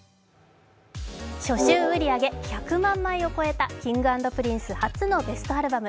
初週売り上げ１００万枚を売り上げたＫｉｎｇ＆Ｐｒｉｎｃｅ初のベストアルバム。